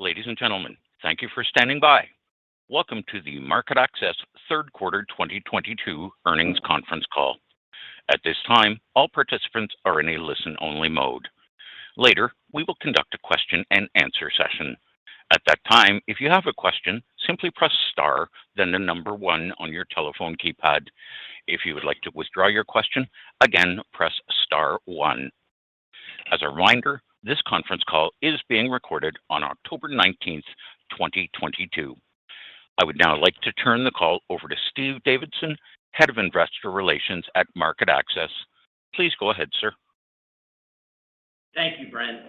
Ladies and gentlemen, thank you for standing by. Welcome to the MarketAxess Third Quarter 2022 Earnings Conference Call. At this time, all participants are in a listen-only mode. Later, we will conduct a question-and-answer session. At that time, if you have a question, simply press star then the number one on your telephone keypad. If you would like to withdraw your question, again, press star one. As a reminder, this conference call is being recorded on 19th October 2022. I would now like to turn the call over to Steve Davidson, Head of Investor Relations at MarketAxess. Please go ahead, sir. Thank you, Brent.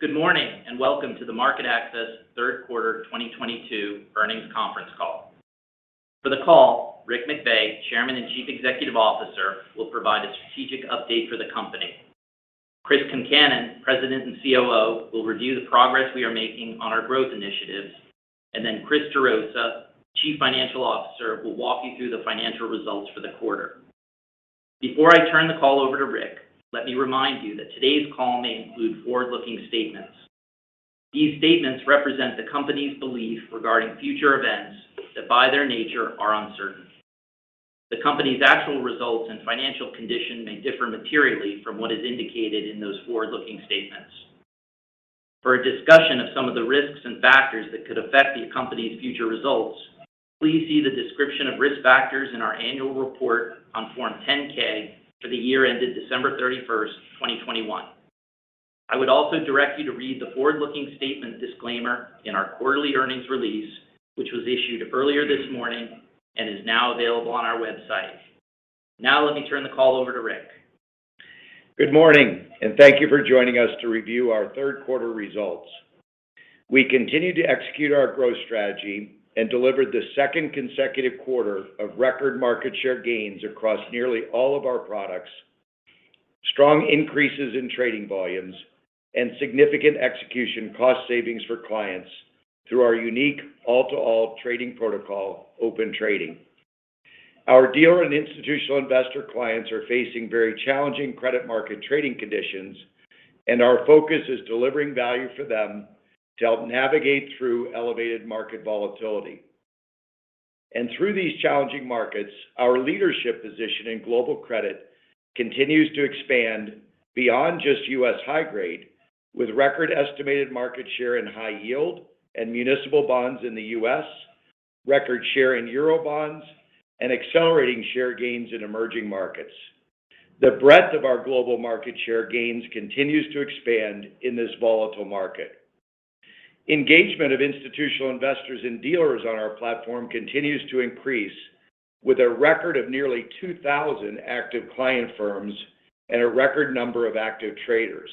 Good morning, and welcome to the MarketAxess Third Quarter 2022 Earnings Conference Call. For the call, Rick McVey, Chairman and Chief Executive Officer, will provide a strategic update for the company. Chris Concannon, President and COO, will review the progress we are making on our growth initiatives, and then Christopher Gerosa, Chief Financial Officer, will walk you through the financial results for the quarter. Before I turn the call over to Rick, let me remind you that today's call may include forward-looking statements. These statements represent the company's belief regarding future events that, by their nature, are uncertain. The company's actual results and financial condition may differ materially from what is indicated in those forward-looking statements. For a discussion of some of the risks and factors that could affect the company's future results, please see the description of risk factors in our annual report on Form 10-K for the year ended December 31st, 2021. I would also direct you to read the forward-looking statement disclaimer in our quarterly earnings release, which was issued earlier this morning and is now available on our website. Now let me turn the call over to Rick. Good morning, and thank you for joining us to review our third quarter results. We continue to execute our growth strategy and delivered the second consecutive quarter of record market share gains across nearly all of our products, strong increases in trading volumes, and significant execution cost savings for clients through our unique all-to-all trading protocol, Open Trading. Our dealer and institutional investor clients are facing very challenging credit market trading conditions, and our focus is delivering value for them to help navigate through elevated market volatility. Through these challenging markets, our leadership position in global credit continues to expand beyond just U.S. high grade with record estimated market share in high yield and municipal bonds in the US, record share in Eurobonds, and accelerating share gains in emerging markets. The breadth of our global market share gains continues to expand in this volatile market. Engagement of institutional investors and dealers on our platform continues to increase with a record of nearly 2,000 active client firms and a record number of active traders.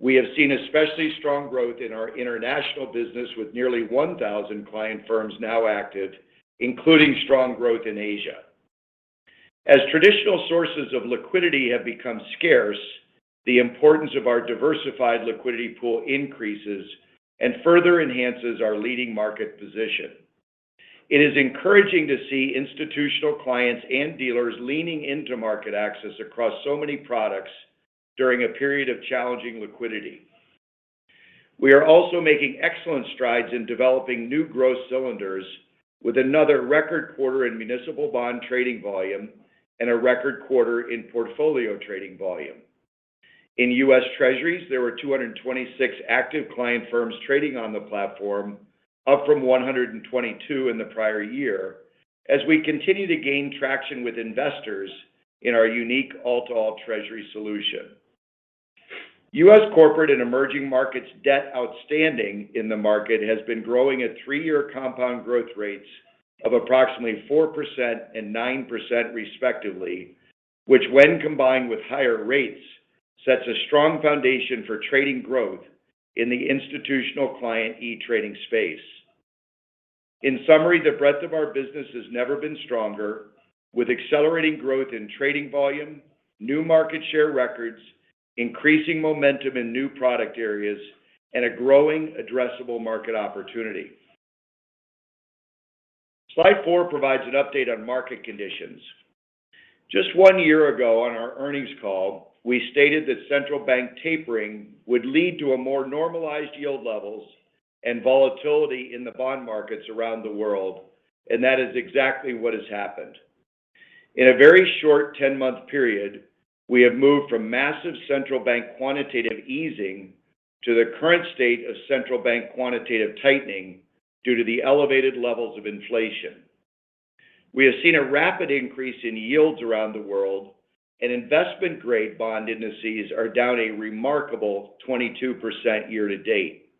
We have seen especially strong growth in our international business with nearly 1,000 client firms now active, including strong growth in Asia. As traditional sources of liquidity have become scarce, the importance of our diversified liquidity pool increases and further enhances our leading market position. It is encouraging to see institutional clients and dealers leaning into MarketAxess across so many products during a period of challenging liquidity. We are also making excellent strides in developing new growth cylinders with another record quarter in municipal bond trading volume and a record quarter in portfolio trading volume. In U.S. Treasuries, there were 226 active client firms trading on the platform, up from 122 in the prior year, as we continue to gain traction with investors in our unique all-to-all Treasury solution. U.S. corporate and emerging markets debt outstanding in the market has been growing at three-year compound growth rates of approximately 4% and 9% respectively, which when combined with higher rates, sets a strong foundation for trading growth in the institutional client e-trading space. In summary, the breadth of our business has never been stronger with accelerating growth in trading volume, new market share records, increasing momentum in new product areas, and a growing addressable market opportunity. Slide 4 provides an update on market conditions. Just one year ago on our earnings call, we stated that central bank tapering would lead to a more normalized yield levels and volatility in the bond markets around the world, and that is exactly what has happened. In a very short 10-month period, we have moved from massive central bank quantitative easing to the current state of central bank quantitative tightening due to the elevated levels of inflation. We have seen a rapid increase in yields around the world, and investment-grade bond indices are down a remarkable 22% year to date.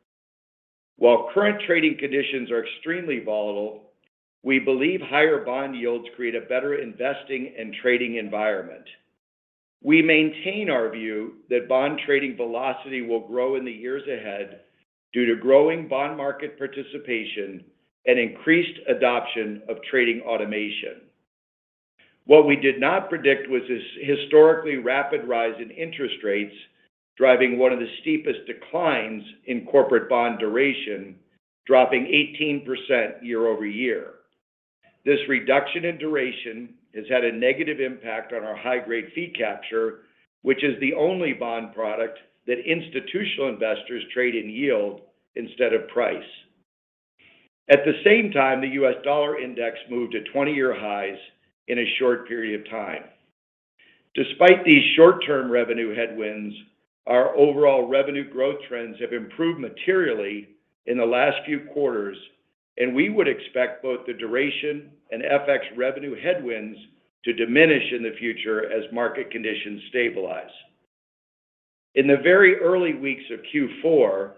While current trading conditions are extremely volatile, we believe higher bond yields create a better investing and trading environment. We maintain our view that bond trading velocity will grow in the years ahead due to growing bond market participation and increased adoption of trading automation. What we did not predict was this historically rapid rise in interest rates driving one of the steepest declines in corporate bond duration, dropping 18% year-over-year. This reduction in duration has had a negative impact on our high-grade fee capture, which is the only bond product that institutional investors trade in yield instead of price. At the same time, the U.S. dollar index moved to 20-year highs in a short period of time. Despite these short-term revenue headwinds, our overall revenue growth trends have improved materially in the last few quarters, and we would expect both the duration and FX revenue headwinds to diminish in the future as market conditions stabilize. In the very early weeks of Q4,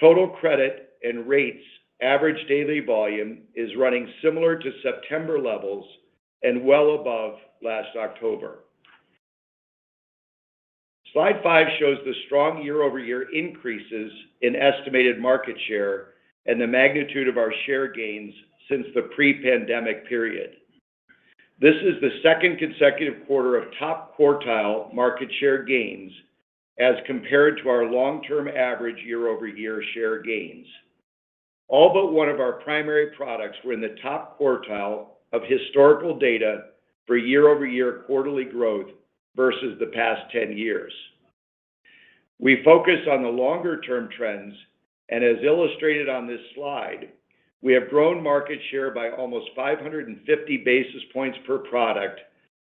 total credit and rates average daily volume is running similar to September levels and well above last October. Slide 5 shows the strong year-over-year increases in estimated market share and the magnitude of our share gains since the pre-pandemic period. This is the second consecutive quarter of top-quartile market share gains as compared to our long-term average year-over-year share gains. All but one of our primary products were in the top quartile of historical data for year-over-year quarterly growth versus the past 10 years. We focus on the longer-term trends, and as illustrated on this slide, we have grown market share by almost 550 basis points per product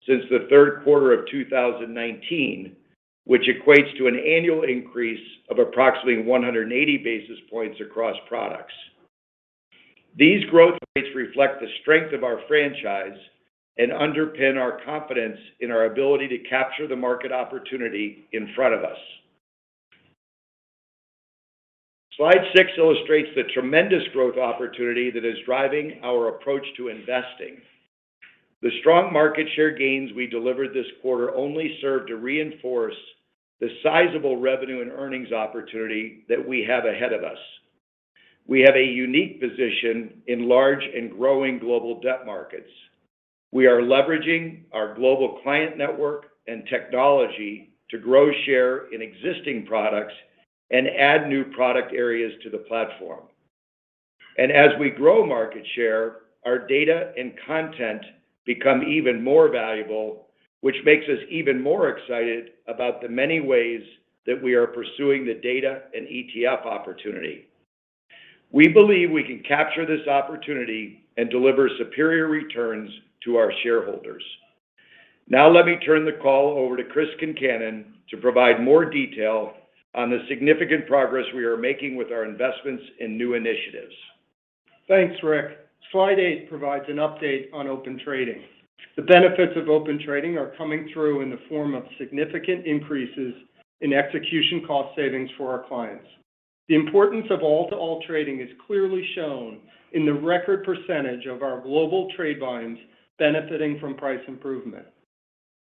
since the third quarter of 2019, which equates to an annual increase of approximately 180 basis points across products. These growth rates reflect the strength of our franchise and underpin our confidence in our ability to capture the market opportunity in front of us. Slide six illustrates the tremendous growth opportunity that is driving our approach to investing. The strong market share gains we delivered this quarter only serve to reinforce the sizable revenue and earnings opportunity that we have ahead of us. We have a unique position in large and growing global debt markets. We are leveraging our global client network and technology to grow share in existing products and add new product areas to the platform. As we grow market share, our data and content become even more valuable, which makes us even more excited about the many ways that we are pursuing the data and ETF opportunity. We believe we can capture this opportunity and deliver superior returns to our shareholders. Now let me turn the call over to Chris Concannon to provide more detail on the significant progress we are making with our investments in new initiatives. Thanks, Rick. Slide 8 provides an update on Open Trading. The benefits of Open Trading are coming through in the form of significant increases in execution cost savings for our clients. The importance of all-to-all trading is clearly shown in the record percentage of our global trade volumes benefiting from price improvement.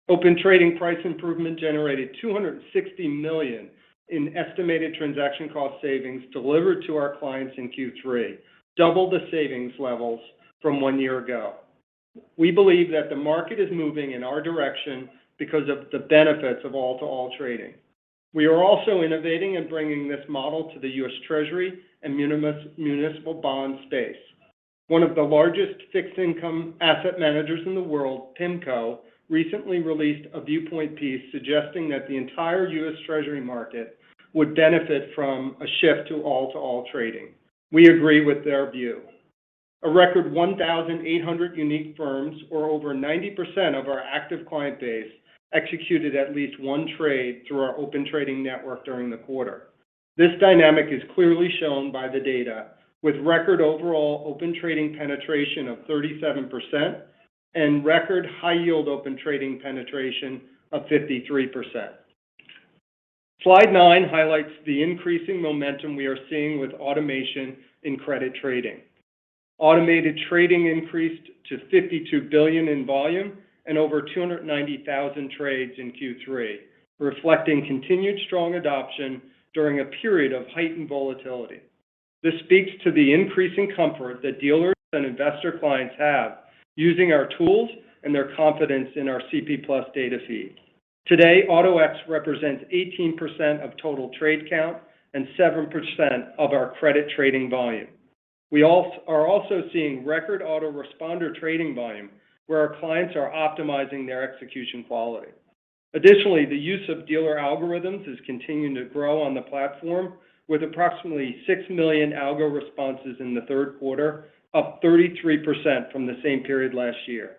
Open Trading price improvement generated $260 million in estimated transaction cost savings delivered to our clients in Q3, double the savings levels from one year ago. We believe that the market is moving in our direction because of the benefits of all-to-all trading. We are also innovating and bringing this model to the U.S. Treasury and municipal bond space. One of the largest fixed income asset managers in the world, PIMCO, recently released a viewpoint piece suggesting that the entire U.S. Treasury market would benefit from a shift to all-to-all trading. We agree with their view. A record 1,800 unique firms, or over 90% of our active client base, executed at least one trade through our Open Trading network during the quarter. This dynamic is clearly shown by the data with record overall Open Trading penetration of 37% and record high yield Open Trading penetration of 53%. Slide nine highlights the increasing momentum we are seeing with automation in credit trading. Automated trading increased to $52 billion in volume and over 290,000 trades in Q3, reflecting continued strong adoption during a period of heightened volatility. This speaks to the increasing comfort that dealers and investor clients have using our tools and their confidence in our CP+ data feed. Today, AutoX represents 18% of total trade count and 7% of our credit trading volume. We are also seeing record Auto-Responder trading volume where our clients are optimizing their execution quality. Additionally, the use of dealer algorithms is continuing to grow on the platform with approximately 6 million algo responses in the third quarter, up 33% from the same period last year.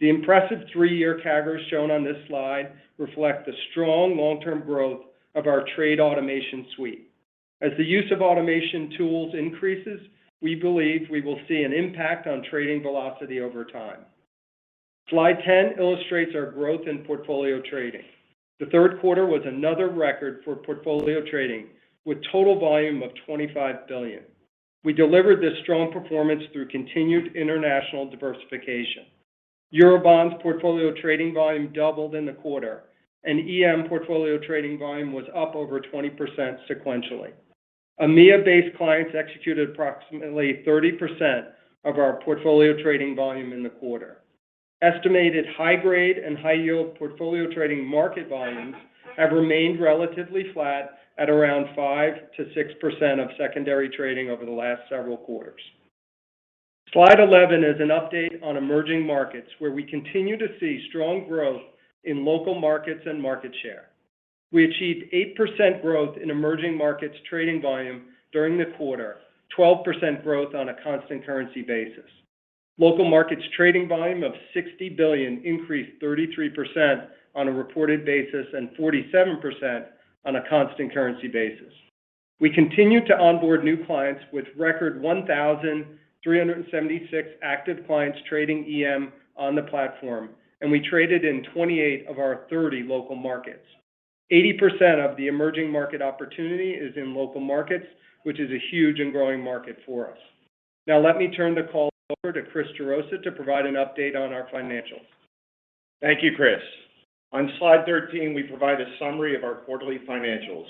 The impressive 3-year CAGRs shown on this slide reflect the strong long-term growth of our trade automation suite. As the use of automation tools increases, we believe we will see an impact on trading velocity over time. Slide 10 illustrates our growth in portfolio trading. The third quarter was another record for portfolio trading with total volume of $25 billion. We delivered this strong performance through continued international diversification. Eurobond's portfolio trading volume doubled in the quarter, and EM portfolio trading volume was up over 20% sequentially. EMEA-based clients executed approximately 30% of our portfolio trading volume in the quarter. Estimated high-grade and high-yield portfolio trading market volumes have remained relatively flat at around 5%-6% of secondary trading over the last several quarters. Slide 11 is an update on emerging markets, where we continue to see strong growth in local markets and market share. We achieved 8% growth in emerging markets trading volume during the quarter, 12% growth on a constant currency basis. Local markets trading volume of $60 billion increased 33% on a reported basis and 47% on a constant currency basis. We continue to onboard new clients with record 1,376 active clients trading EM on the platform, and we traded in 28 of our 30 local markets. 80% of the emerging market opportunity is in local markets, which is a huge and growing market for us. Now, let me turn the call over to Christopher Gerosa to provide an update on our financials. Thank you, Chris. On slide 13, we provide a summary of our quarterly financials.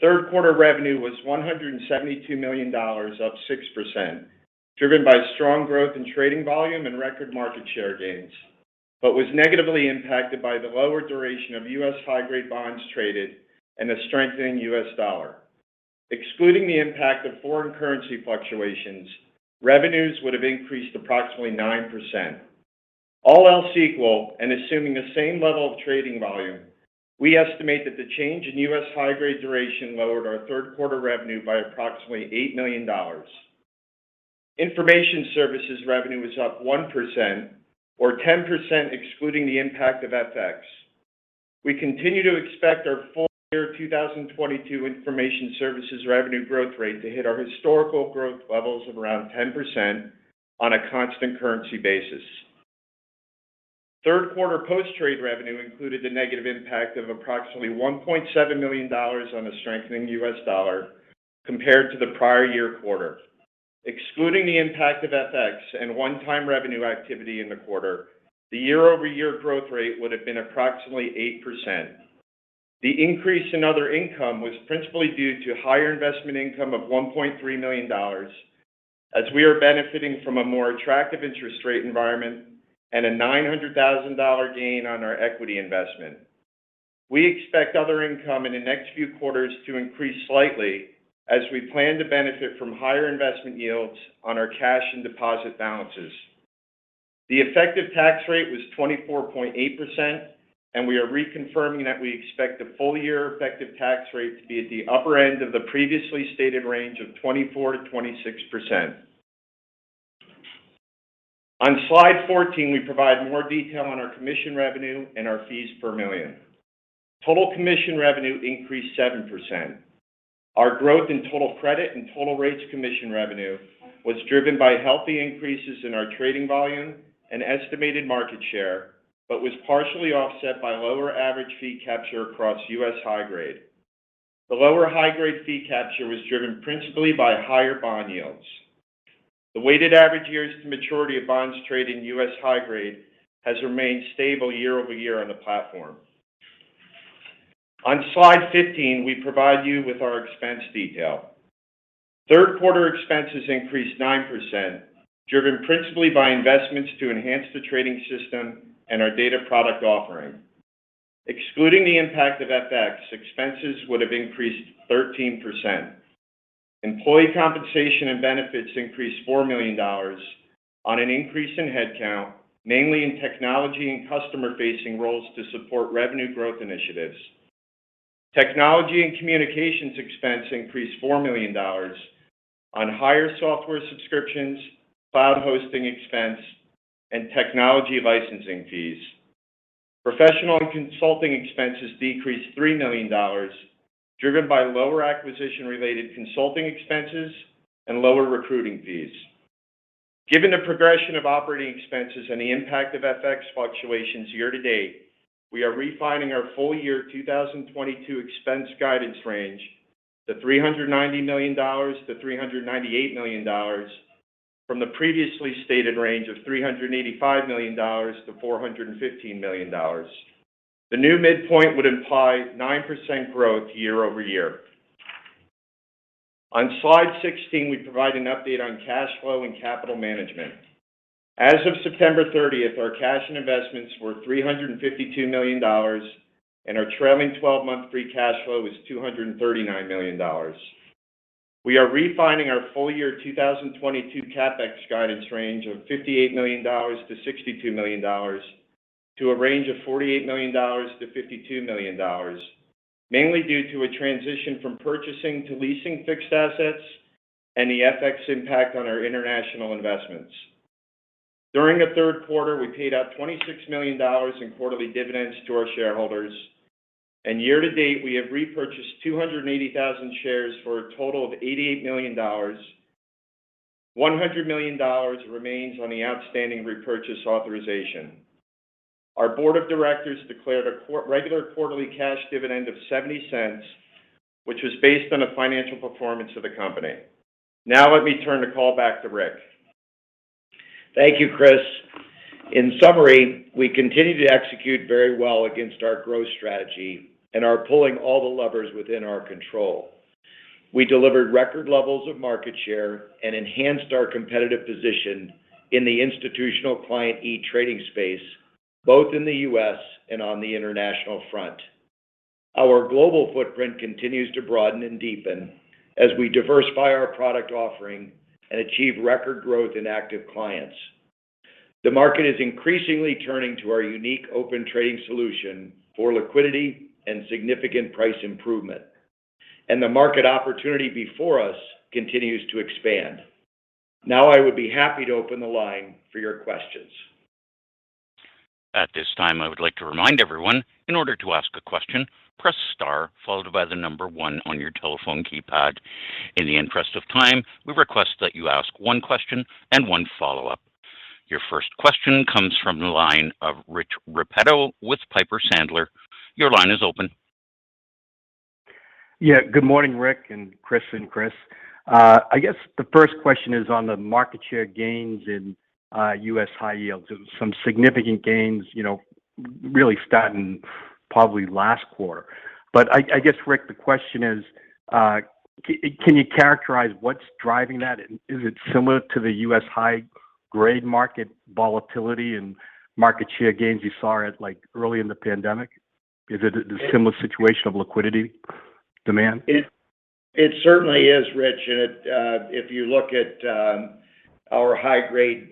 Third quarter revenue was $172 million, up 6%, driven by strong growth in trading volume and record market share gains, but was negatively impacted by the lower duration of U.S. high-grade bonds traded and a strengthening U.S. dollar. Excluding the impact of foreign currency fluctuations, revenues would have increased approximately 9%. All else equal, and assuming the same level of trading volume, we estimate that the change in U.S. high-grade duration lowered our third quarter revenue by approximately $8 million. Information services revenue was up 1%, or 10% excluding the impact of FX. We continue to expect our full year 2022 information services revenue growth rate to hit our historical growth levels of around 10% on a constant currency basis. Third quarter post-trade revenue included the negative impact of approximately $1.7 million on a strengthening U.S. dollar compared to the prior year quarter. Excluding the impact of FX and one-time revenue activity in the quarter, the year-over-year growth rate would have been approximately 8%. The increase in other income was principally due to higher investment income of $1.3 million as we are benefiting from a more attractive interest rate environment and a $900,000 gain on our equity investment. We expect other income in the next few quarters to increase slightly as we plan to benefit from higher investment yields on our cash and deposit balances. The effective tax rate was 24.8%, and we are reconfirming that we expect the full year effective tax rate to be at the upper end of the previously stated range of 24%-26%. On slide 14, we provide more detail on our commission revenue and our fees per million. Total commission revenue increased 7%. Our growth in total credit and total rates commission revenue was driven by healthy increases in our trading volume and estimated market share, but was partially offset by lower average fee capture across U.S. high-grade. The lower high-grade fee capture was driven principally by higher bond yields. The weighted average years to maturity of bonds trading U.S. high-grade has remained stable year-over-year on the platform. On slide 15, we provide you with our expense detail. Third quarter expenses increased 9%, driven principally by investments to enhance the trading system and our data product offering. Excluding the impact of FX, expenses would have increased 13%. Employee compensation and benefits increased $4 million on an increase in headcount, mainly in technology and customer-facing roles to support revenue growth initiatives. Technology and communications expense increased $4 million on higher software subscriptions, cloud hosting expense, and technology licensing fees. Professional and consulting expenses decreased $3 million, driven by lower acquisition-related consulting expenses and lower recruiting fees. Given the progression of operating expenses and the impact of FX fluctuations year-to-date, we are refining our full year 2022 expense guidance range to $390 million-$398 million from the previously stated range of $385 million-$415 million. The new midpoint would imply 9% growth year-over-year. On slide 16, we provide an update on cash flow and capital management. As of September 30, our cash and investments were $352 million, and our trailing twelve-month free cash flow was $239 million. We are refining our full year 2022 CapEx guidance range of $58 million-$62 million to a range of $48 million-$52 million, mainly due to a transition from purchasing to leasing fixed assets and the FX impact on our international investments. During the third quarter, we paid out $26 million in quarterly dividends to our shareholders. Year-to-date, we have repurchased 280,000 shares for a total of $88 million. $100 million remains on the outstanding repurchase authorization. Our board of directors declared a regular quarterly cash dividend of $0.70, which was based on the financial performance of the company. Now let me turn the call back to Rick. Thank you, Chris. In summary, we continue to execute very well against our growth strategy and are pulling all the levers within our control. We delivered record levels of market share and enhanced our competitive position in the institutional client e-trading space, both in the U.S. and on the international front. Our global footprint continues to broaden and deepen as we diversify our product offering and achieve record growth in active clients. The market is increasingly turning to our unique Open Trading solution for liquidity and significant price improvement, and the market opportunity before us continues to expand. Now I would be happy to open the line for your questions. At this time, I would like to remind everyone, in order to ask a question, press star followed by the number one on your telephone keypad. In the interest of time, we request that you ask one question and one follow-up. Your first question comes from the line of Rich Repetto with Piper Sandler. Your line is open. Yeah. Good morning, Rick and Chris and Chris. I guess the first question is on the market share gains in U.S. high yields. Some significant gains, you know, really starting probably last quarter. I guess, Rick, the question is, can you characterize what's driving that? Is it similar to the U.S. high grade market volatility and market share gains you saw at, like, early in the pandemic? Is it a similar situation of liquidity demand? It certainly is, Rich. If you look at our high grade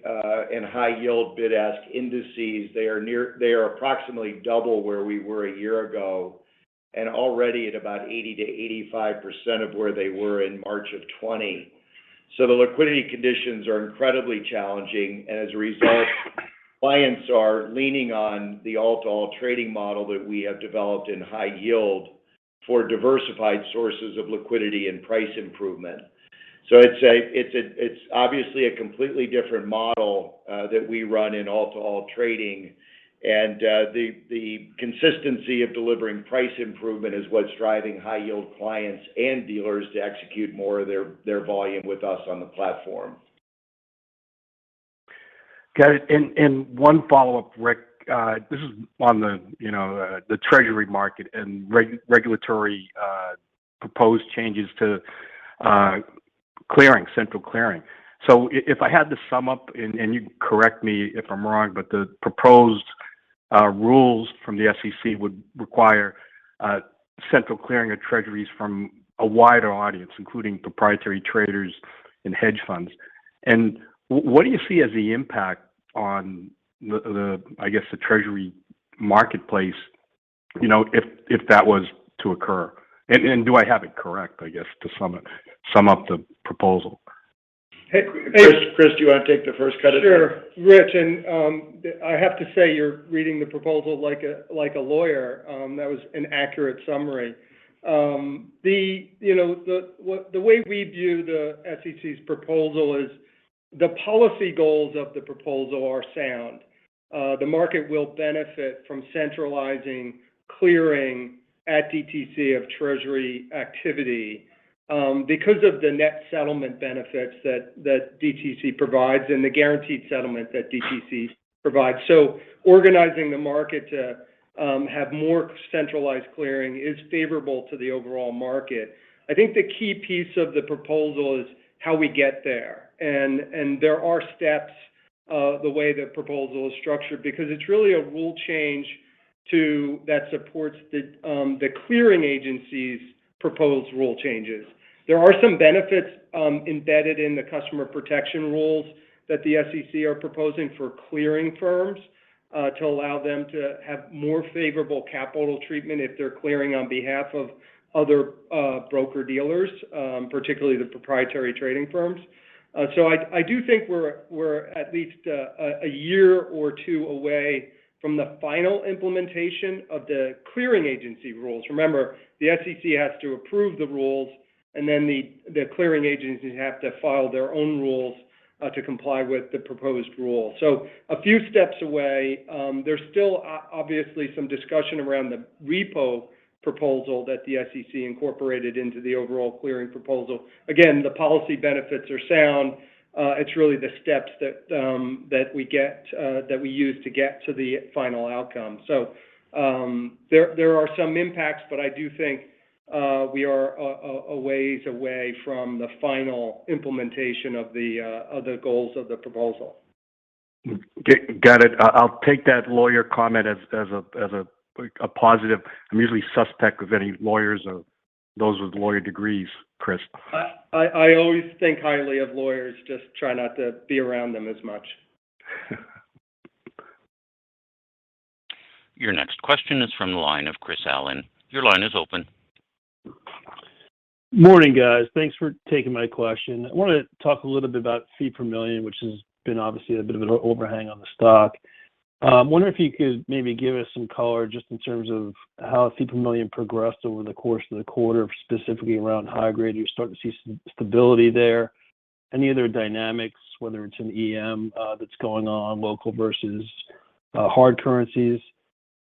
and high yield bid-ask indices, they are approximately double where we were a year ago and already at about 80%-85% of where they were in March of 2020. The liquidity conditions are incredibly challenging, and as a result, clients are leaning on the all-to-all trading model that we have developed in high yield for diversified sources of liquidity and price improvement. It's obviously a completely different model that we run in all-to-all trading. The consistency of delivering price improvement is what's driving high yield clients and dealers to execute more of their volume with us on the platform. Got it. One follow-up, Rick. This is on the Treasury market and regulatory proposed changes to central clearing. If I had to sum up, and you correct me if I'm wrong, but the proposed rules from the SEC would require central clearing of Treasuries from a wider audience, including proprietary traders and hedge funds. What do you see as the impact on the Treasury marketplace, you know, if that was to occur? Do I have it correct, I guess, to sum up the proposal? Chris, do you want to take the first cut at this? Sure. Rich, I have to say, you're reading the proposal like a lawyer. That was an accurate summary. You know, the way we view the SEC's proposal is the policy goals of the proposal are sound. The market will benefit from centralizing clearing at DTC of Treasury activity, because of the net settlement benefits that DTC provides and the guaranteed settlement that DTC provides. Organizing the market to have more centralized clearing is favorable to the overall market. I think the key piece of the proposal is how we get there. There are steps, the way the proposal is structured, because it's really a rule change that supports the clearing agency's proposed rule changes. There are some benefits embedded in the customer protection rules that the SEC are proposing for clearing firms to allow them to have more favorable capital treatment if they're clearing on behalf of other broker-dealers, particularly the proprietary trading firms. I do think we're at least a year or two away from the final implementation of the clearing agency rules. Remember, the SEC has to approve the rules, and then the clearing agencies have to file their own rules to comply with the proposed rule. A few steps away. There's still obviously some discussion around the repo proposal that the SEC incorporated into the overall clearing proposal. Again, the policy benefits are sound. It's really the steps that we get that we use to get to the final outcome. there are some impacts, but I do think we are a ways away from the final implementation of the goals of the proposal. Got it. I'll take that lawyer comment as a like a positive. I'm usually suspicious of any lawyers or those with lawyer degrees, Chris. I always think highly of lawyers, just try not to be around them as much. Your next question is from the line of Chris Allen. Your line is open. Morning, guys. Thanks for taking my question. I want to talk a little bit about fee per million, which has been obviously a bit of an overhang on the stock. Wondering if you could maybe give us some color just in terms of how fee per million progressed over the course of the quarter, specifically around high grade. Are you starting to see some stability there? Any other dynamics, whether it's in EM, that's going on, local versus hard currencies?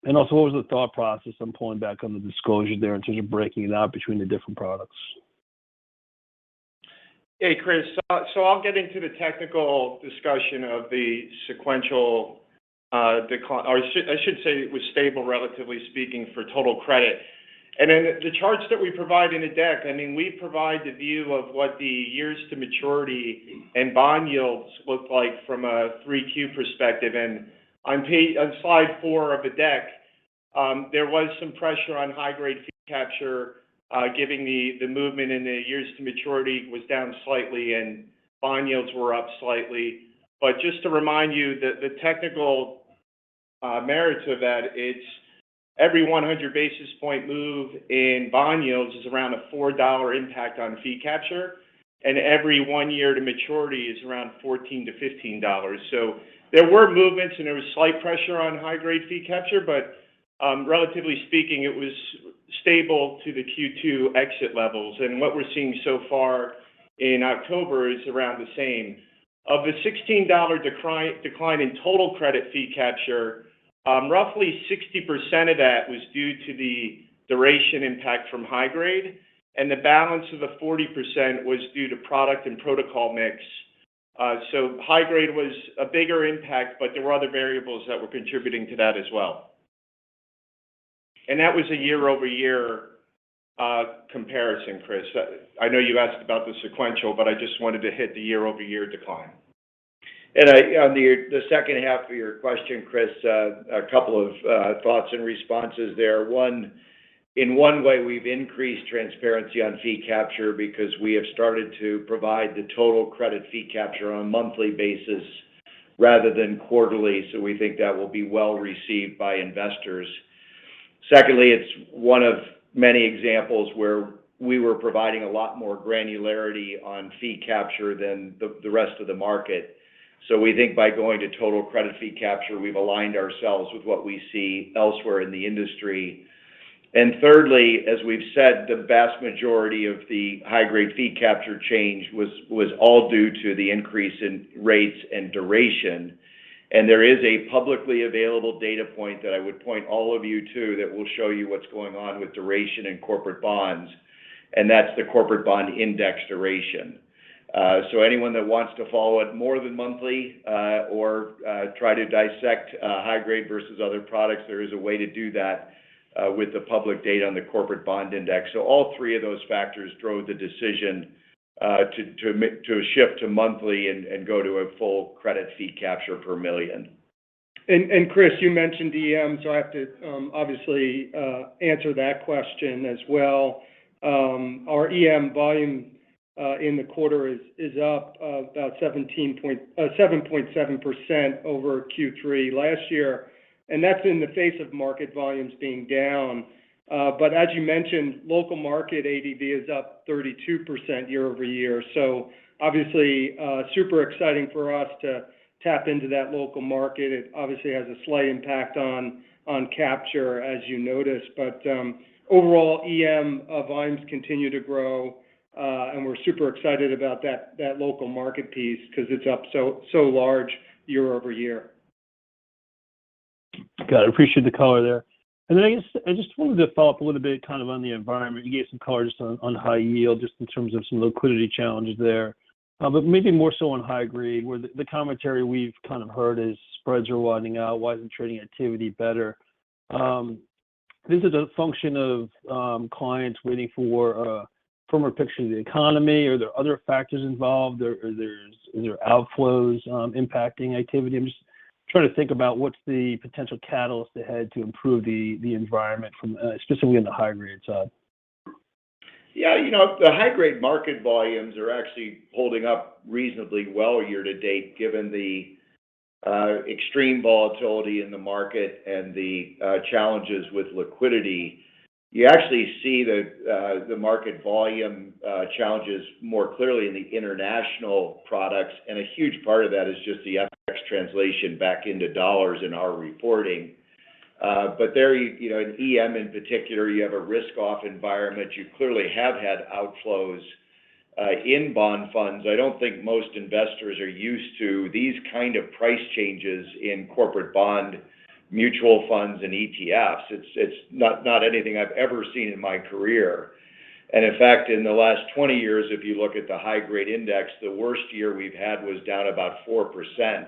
What was the thought process on pulling back on the disclosure there in terms of breaking it out between the different products? Hey, Chris. I'll get into the technical discussion of the sequential, it was stable, relatively speaking, for total credit. Then the charts that we provide in the deck, I mean, we provide the view of what the years to maturity and bond yields look like from a 3Q perspective. On slide four of the deck, there was some pressure on high-grade fee capture, given the movement in the years to maturity was down slightly, and bond yields were up slightly. Just to remind you that the technical metrics to that, it's every 100 basis point move in bond yields is around a $4 impact on fee capture, and every one year to maturity is around $14-$15. There were movements, and there was slight pressure on high-grade fee capture, but, relatively speaking, it was stable to the Q2 exit levels. What we're seeing so far in October is around the same. Of the $16 decline in total credit fee capture, roughly 60% of that was due to the duration impact from high grade, and the balance of the 40% was due to product and protocol mix. So high grade was a bigger impact, but there were other variables that were contributing to that as well. That was a year-over-year comparison, Chris. I know you asked about the sequential, but I just wanted to hit the year-over-year decline. On the second half of your question, Chris, a couple of thoughts and responses there. One, in one way, we've increased transparency on fee capture because we have started to provide the total credit fee capture on a monthly basis rather than quarterly, so we think that will be well-received by investors. Secondly, it's one of many examples where we were providing a lot more granularity on fee capture than the rest of the market. We think by going to total credit fee capture, we've aligned ourselves with what we see elsewhere in the industry. Thirdly, as we've said, the vast majority of the high-grade fee capture change was all due to the increase in rates and duration. There is a publicly available data point that I would point all of you to that will show you what's going on with duration and corporate bonds, and that's the corporate bond index duration. Anyone that wants to follow it more than monthly, or try to dissect high grade versus other products, there is a way to do that with the public data on the corporate bond index. All three of those factors drove the decision to shift to monthly and go to a full credit fee capture per million. Chris, you mentioned EM, so I have to obviously answer that question as well. Our EM volume in the quarter is up about 7.7% over Q3 last year, and that's in the face of market volumes being down. But as you mentioned, local market ADV is up 32% year-over-year. Obviously, super exciting for us to tap into that local market. It obviously has a slight impact on capture, as you noticed. Overall, EM volumes continue to grow. We're super excited about that local market piece because it's up so large year-over-year. Got it. Appreciate the color there. I guess I just wanted to follow up a little bit kind of on the environment. You gave some color just on high-yield, just in terms of some liquidity challenges there. But maybe more so on high-grade, where the commentary we've kind of heard is spreads are widening out. Why isn't trading activity better? Is it a function of clients waiting for a firmer picture of the economy? Are there other factors involved? Is there outflows impacting activity? I'm just trying to think about what's the potential catalyst ahead to improve the environment from specifically on the high-grade side. Yeah, you know, the high-grade market volumes are actually holding up reasonably well year to date, given the extreme volatility in the market and the challenges with liquidity. You actually see the market volume challenges more clearly in the international products, and a huge part of that is just the FX translation back into dollars in our reporting. But there, you know, in EM in particular, you have a risk-off environment. You clearly have had outflows in bond funds. I don't think most investors are used to these kind of price changes in corporate bond mutual funds and ETFs. It's not anything I've ever seen in my career. In fact, in the last 20 years, if you look at the high-grade index, the worst year we've had was down about 4%.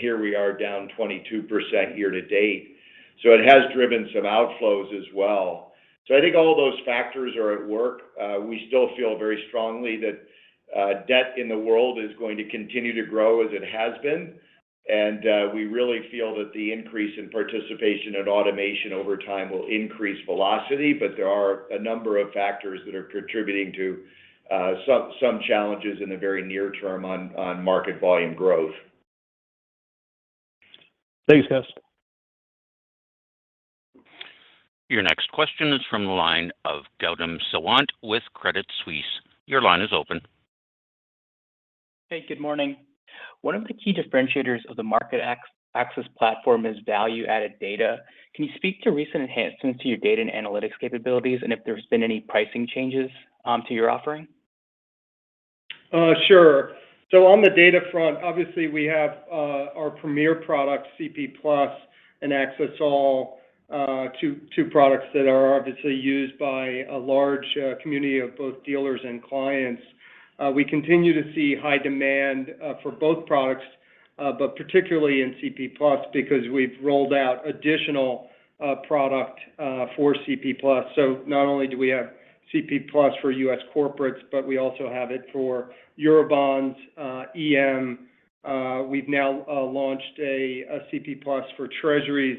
Here we are down 22% year to date. It has driven some outflows as well. I think all of those factors are at work. We still feel very strongly that debt in the world is going to continue to grow as it has been. We really feel that the increase in participation and automation over time will increase velocity. There are a number of factors that are contributing to some challenges in the very near term on market volume growth. Thanks, guys. Your next question is from the line of Gautam Sawant with Credit Suisse. Your line is open. Hey, good morning. One of the key differentiators of the MarketAxess platform is value-added data. Can you speak to recent enhancements to your data and analytics capabilities and if there's been any pricing changes to your offering? Sure. On the data front, obviously we have our premier product CP+ and Axess All, two products that are obviously used by a large community of both dealers and clients. We continue to see high demand for both products, but particularly in CP+ because we've rolled out additional product for CP+. Not only do we have CP+ for U.S. corporates, but we also have it for euro bonds, EM. We've now launched a CP+ for Treasuries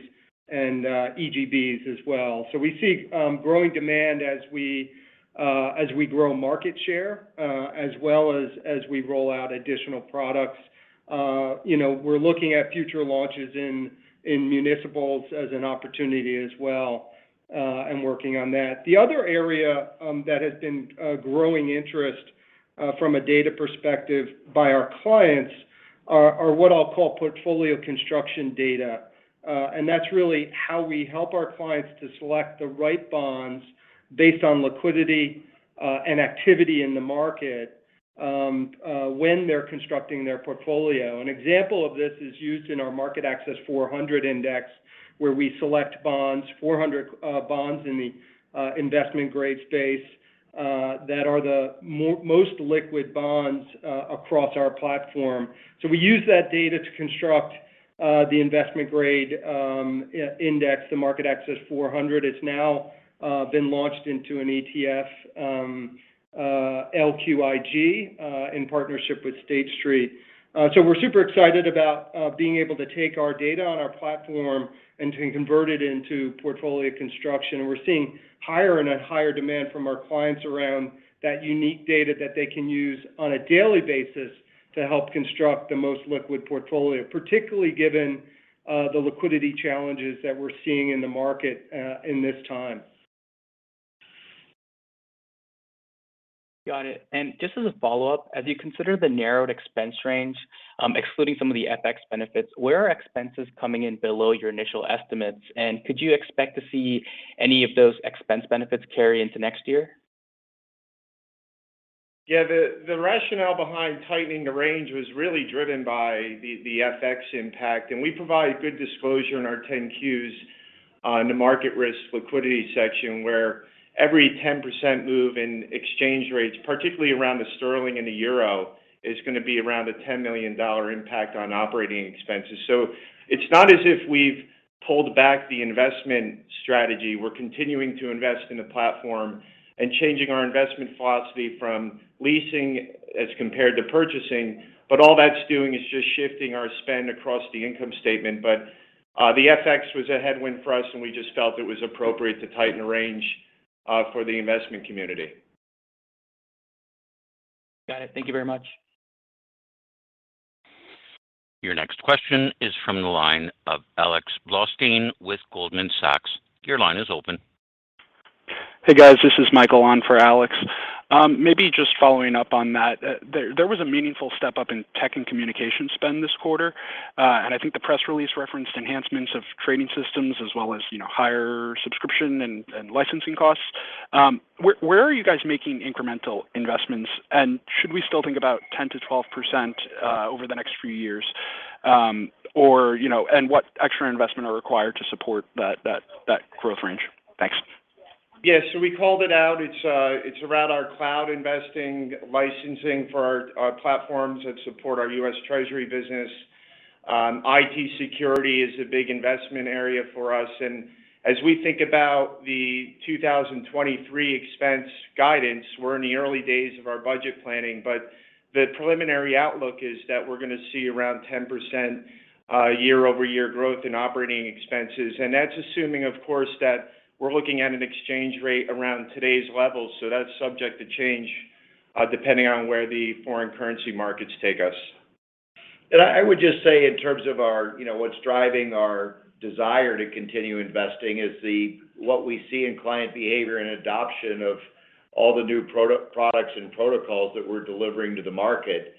and EGBs as well. We see growing demand as we grow market share, as well as we roll out additional products. You know, we're looking at future launches in municipals as an opportunity as well, and working on that. The other area that has been growing interest from a data perspective by our clients are what I'll call portfolio construction data. That's really how we help our clients to select the right bonds based on liquidity and activity in the market when they're constructing their portfolio. An example of this is used in our MarketAxess 400 index, where we select bonds, 400 bonds in the investment-grade space that are the most liquid bonds across our platform. We use that data to construct the investment-grade index, the MarketAxess 400. It's now been launched into an ETF, LQIG, in partnership with State Street. We're super excited about being able to take our data on our platform and to convert it into portfolio construction. We're seeing higher and higher demand from our clients around that unique data that they can use on a daily basis to help construct the most liquid portfolio, particularly given the liquidity challenges that we're seeing in the market, in this time. Got it. Just as a follow-up, as you consider the narrowed expense range, excluding some of the FX benefits, where are expenses coming in below your initial estimates? Could you expect to see any of those expense benefits carry into next year? The rationale behind tightening the range was really driven by the FX impact, and we provide good disclosure in our 10-Qs in the market risk liquidity section, where every 10% move in exchange rates, particularly around the sterling and the euro, is gonna be around a $10 million impact on operating expenses. It's not as if we've pulled back the investment strategy. We're continuing to invest in the platform and changing our investment philosophy from leasing as compared to purchasing, but all that's doing is just shifting our spend across the income statement. The FX was a headwind for us, and we just felt it was appropriate to tighten the range for the investment community. Got it. Thank you very much. Your next question is from the line of Alexander Blostein with Goldman Sachs. Your line is open. Hey, guys. This is Michael on for Alex. Maybe just following up on that, there was a meaningful step up in tech and communication spend this quarter. I think the press release referenced enhancements of trading systems as well as, you know, higher subscription and licensing costs. Where are you guys making incremental investments? Should we still think about 10%-12% over the next few years? Or, you know, and what extra investment are required to support that growth range? Thanks. Yeah. We called it out. It's around our cloud investing licensing for our platforms that support our U.S. Treasury business. IT security is a big investment area for us. As we think about the 2023 expense guidance, we're in the early days of our budget planning, but the preliminary outlook is that we're gonna see around 10% year-over-year growth in operating expenses, and that's assuming, of course, that we're looking at an exchange rate around today's levels, so that's subject to change depending on where the foreign currency markets take us. I would just say in terms of our, you know, what's driving our desire to continue investing is what we see in client behavior and adoption of all the new products and protocols that we're delivering to the market.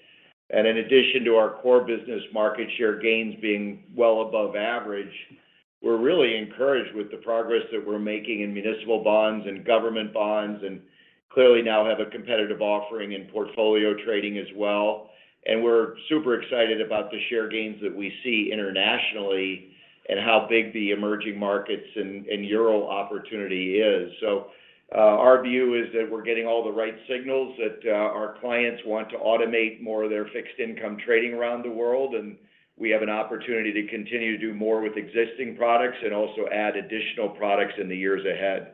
In addition to our core business market share gains being well above average, we're really encouraged with the progress that we're making in municipal bonds and government bonds, and clearly now have a competitive offering in portfolio trading as well. We're super excited about the share gains that we see internationally and how big the emerging markets and euro opportunity is. Our view is that we're getting all the right signals, that our clients want to automate more of their fixed income trading around the world, and we have an opportunity to continue to do more with existing products and also add additional products in the years ahead.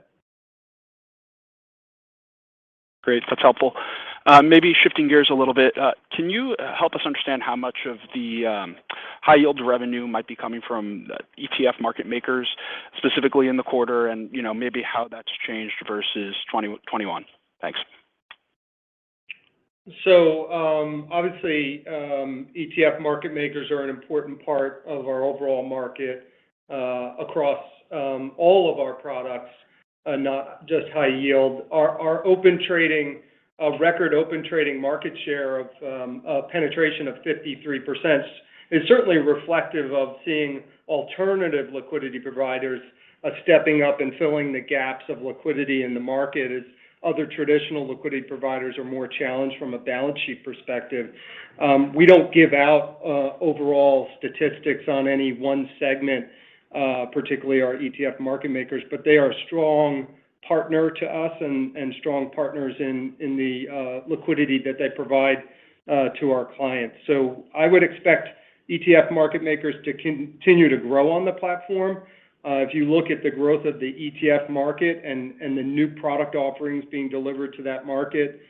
Great. That's helpful. Maybe shifting gears a little bit. Can you help us understand how much of the high yield revenue might be coming from ETF market makers, specifically in the quarter and, you know, maybe how that's changed versus 2021? Thanks. Obviously, ETF market makers are an important part of our overall market across all of our products. Not just high yield. Our Open Trading record open trading market share penetration of 53% is certainly reflective of seeing alternative liquidity providers stepping up and filling the gaps of liquidity in the market as other traditional liquidity providers are more challenged from a balance sheet perspective. We don't give out overall statistics on any one segment, particularly our ETF market makers, but they are a strong partner to us and strong partners in the liquidity that they provide to our clients. I would expect ETF market makers to continue to grow on the platform. If you look at the growth of the ETF market and the new product offerings being delivered to that market,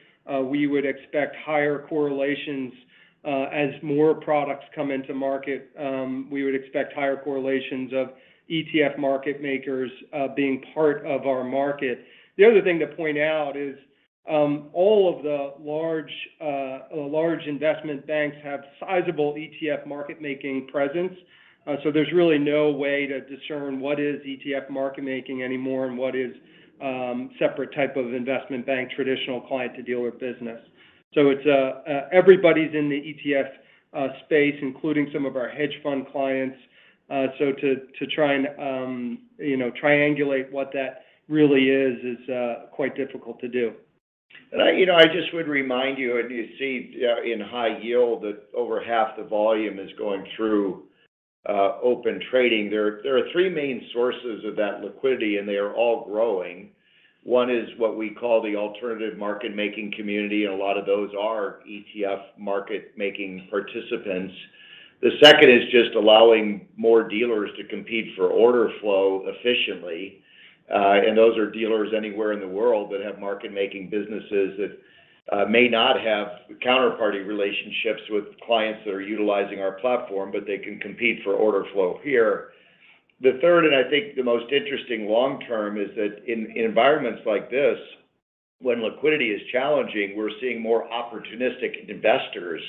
we would expect higher correlations as more products come into market. We would expect higher correlations of ETF market makers being part of our market. The other thing to point out is all of the large investment banks have sizable ETF market making presence. There's really no way to discern what is ETF market making anymore and what is separate type of investment bank traditional client to dealer business. It's everybody's in the ETF space, including some of our hedge fund clients. To try and, you know, triangulate what that really is is quite difficult to do. You know, I just would remind you, and you see in high yield that over half the volume is going through Open Trading. There are three main sources of that liquidity, and they are all growing. One is what we call the alternative market-making community, and a lot of those are ETF market-making participants. The second is just allowing more dealers to compete for order flow efficiently. Those are dealers anywhere in the world that have market-making businesses that may not have counterparty relationships with clients that are utilizing our platform, but they can compete for order flow here. The third, and I think the most interesting long-term, is that in environments like this, when liquidity is challenging, we're seeing more opportunistic investors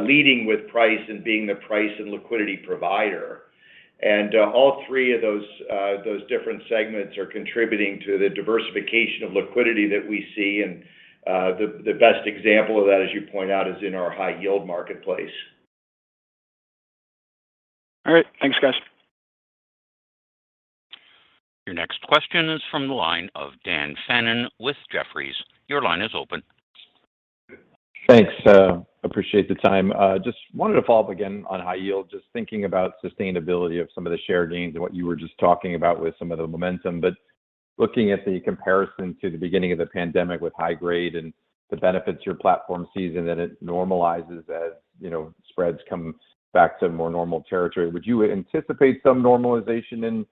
leading with price and being the price and liquidity provider. All three of those different segments are contributing to the diversification of liquidity that we see. The best example of that, as you point out, is in our high yield marketplace. All right. Thanks, guys. Your next question is from the line of Daniel Fannon with Jefferies. Your line is open. Thanks. Appreciate the time. Just wanted to follow up again on high yield, just thinking about sustainability of some of the share gains and what you were just talking about with some of the momentum. Looking at the comparison to the beginning of the pandemic with high grade and the benefits your platform sees, and then it normalizes as you know, spreads come back to more normal territory. Would you anticipate some normalization in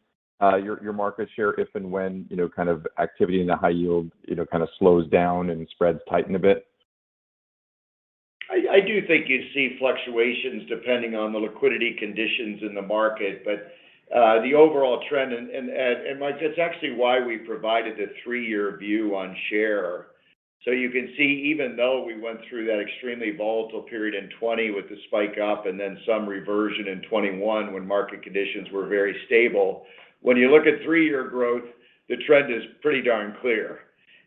your market share if and when, you know, kind of activity in the high yield you know, kind of slows down and spreads tighten a bit? I do think you see fluctuations depending on the liquidity conditions in the market. The overall trend and Mike, that's actually why we provided a three-year view on share. You can see, even though we went through that extremely volatile period in 2020 with the spike up and then some reversion in 2021 when market conditions were very stable, when you look at three-year growth, the trend is pretty darn clear.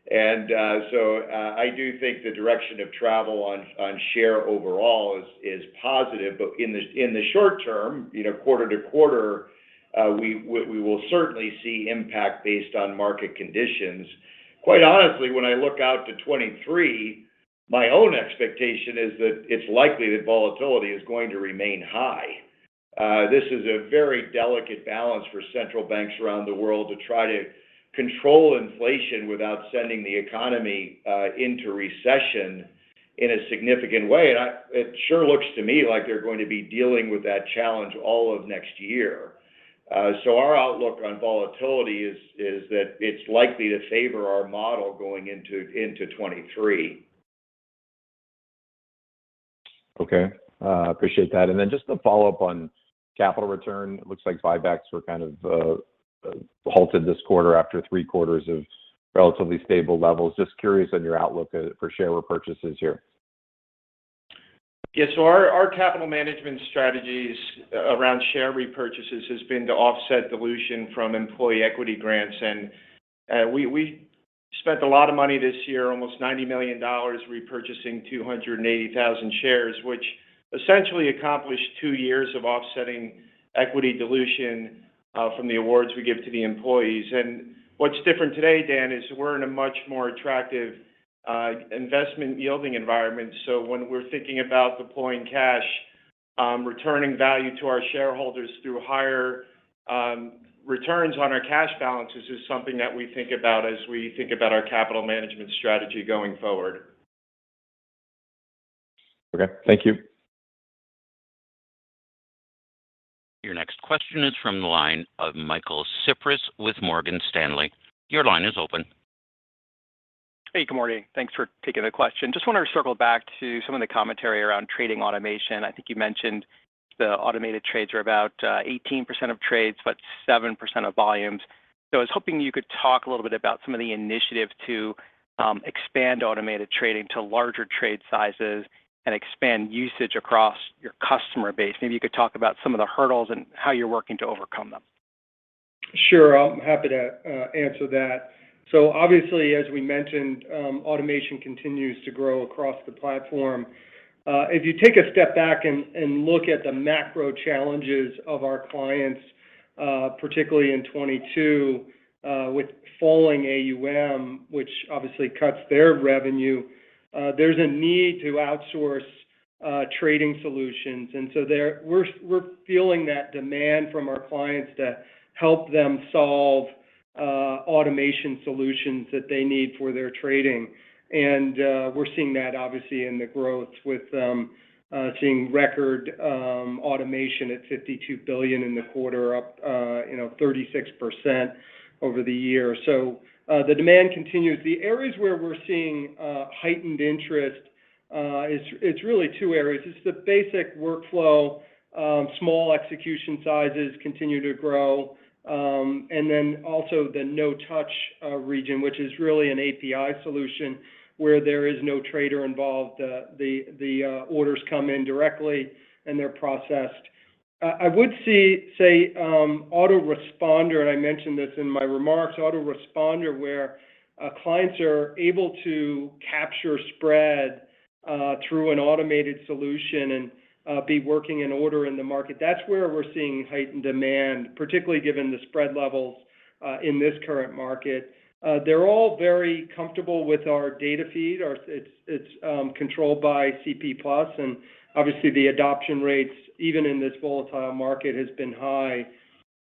I do think the direction of travel on share overall is positive.In the short term, you know, quarter to quarter, we will certainly see impact based on market conditions. Quite honestly, when I look out to 2023, my own expectation is that it's likely that volatility is going to remain high. This is a very delicate balance for central banks around the world to try to control inflation without sending the economy into recession in a significant way. It sure looks to me like they're going to be dealing with that challenge all of next year. Our outlook on volatility is that it's likely to favor our model going into 2023. Okay. Appreciate that. Just to follow up on capital return, it looks like buybacks were kind of halted this quarter after three quarters of relatively stable levels. Just curious on your outlook for share repurchases here. Yeah. Our capital management strategies around share repurchases has been to offset dilution from employee equity grants. We spent a lot of money this year, almost $90 million repurchasing 280,000 shares, which essentially accomplished two years of offsetting equity dilution from the awards we give to the employees. What's different today, Dan, is we're in a much more attractive investment yielding environment. When we're thinking about deploying cash, returning value to our shareholders through higher returns on our cash balances is something that we think about as we think about our capital management strategy going forward. Okay. Thank you. Your next question is from the line of Michael Cyprys with Morgan Stanley. Your line is open. Hey, good morning. Thanks for taking the question. Just want to circle back to some of the commentary around trading automation. I think you mentioned the automated trades are about 18% of trades, but 7% of volumes. I was hoping you could talk a little bit about some of the initiatives to expand automated trading to larger trade sizes and expand usage across your customer base. Maybe you could talk about some of the hurdles and how you're working to overcome them. Sure, I'm happy to answer that. Obviously, as we mentioned, automation continues to grow across the platform. If you take a step back and look at the macro challenges of our clients, particularly in 2022, with falling AUM, which obviously cuts their revenue, there's a need to outsource trading solutions. We're feeling that demand from our clients to help them solve automation solutions that they need for their trading. We're seeing that obviously in the growth with seeing record automation at $52 billion in the quarter up, you know, 36% over the year. The demand continues. The areas where we're seeing heightened interest, it's really two areas. It's the basic workflow, small execution sizes continue to grow. Also the no-touch region, which is really an API solution where there is no trader involved. The orders come in directly, and they're processed. I would say Auto-Responder, and I mentioned this in my remarks, Auto-Responder, where clients are able to capture spread through an automated solution and be working an order in the market. That's where we're seeing heightened demand, particularly given the spread levels in this current market. They're all very comfortable with our data feed. It's controlled by CP+, and obviously the adoption rates, even in this volatile market, has been high.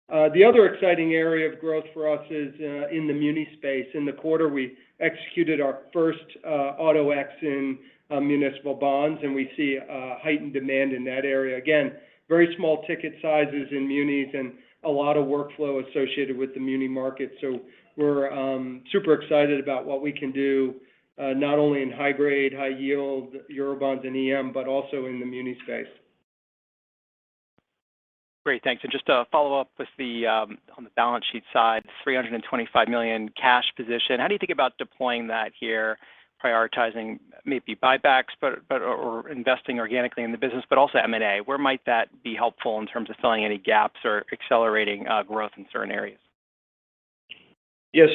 The other exciting area of growth for us is in the muni space. In the quarter, we executed our first Auto-X in municipal bonds, and we see heightened demand in that area. Again, very small ticket sizes in munis and a lot of workflow associated with the muni market. We're super excited about what we can do, not only in high grade, high yield, Eurobonds, and EM, but also in the muni space. Great. Thanks. Just to follow up with the, on the balance sheet side, $325 million cash position. How do you think about deploying that here, prioritizing maybe buybacks, or investing organically in the business, but also M&A? Where might that be helpful in terms of filling any gaps or accelerating growth in certain areas? Yes.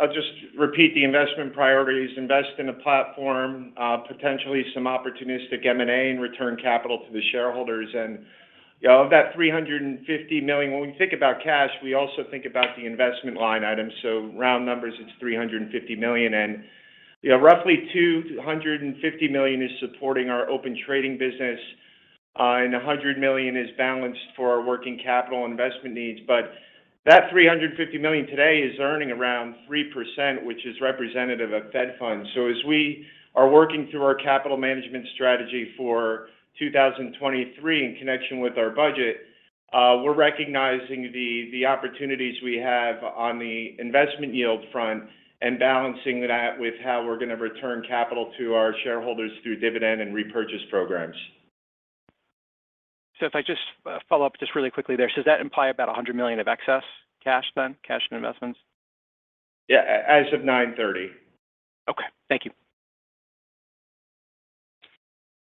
I'll just repeat the investment priorities. Invest in the platform, potentially some opportunistic M&A, and return capital to the shareholders. You know, of that $350 million, when we think about cash, we also think about the investment line items. Round numbers, it's $350 million. You know, roughly $250 million is supporting our Open Trading business, and $100 million is balanced for our working capital investment needs. That $350 million today is earning around 3%, which is representative of Fed Funds. As we are working through our capital management strategy for 2023 in connection with our budget, we're recognizing the opportunities we have on the investment yield front and balancing that with how we're gonna return capital to our shareholders through dividend and repurchase programs. If I just follow up just really quickly there. Does that imply about $100 million of excess cash then, cash and investments? Yeah. As of 9:30 A.M. Okay. Thank you.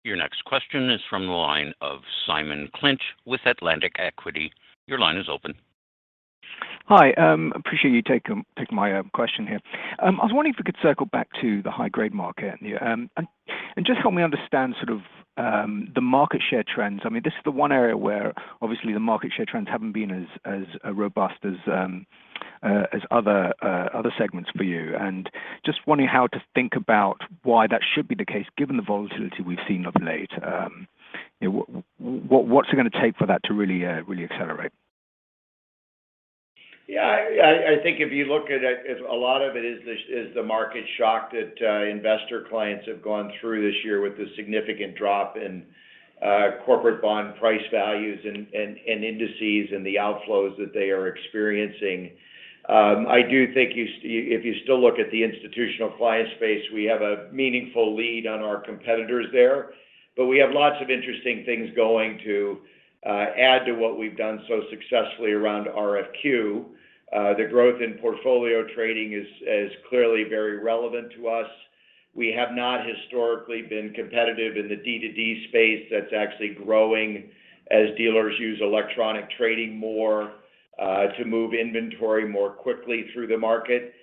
Your next question is from the line of Simon Clinch with Atlantic Equities. Your line is open. Hi. Appreciate you taking my question here. I was wondering if we could circle back to the high-grade market. Just help me understand sort of the market share trends. I mean, this is the one area where obviously the market share trends haven't been as other segments for you. Just wondering how to think about why that should be the case, given the volatility we've seen of late. You know, what's it gonna take for that to really accelerate? Yeah. I think if you look at it, a lot of it is the market shock that investor clients have gone through this year with the significant drop in corporate bond price values and indices and the outflows that they are experiencing. I do think if you still look at the institutional client space, we have a meaningful lead on our competitors there. We have lots of interesting things going to add to what we've done so successfully around RFQ. The growth in portfolio trading is clearly very relevant to us. We have not historically been competitive in the D2D space that's actually growing as dealers use electronic trading more to move inventory more quickly through the market.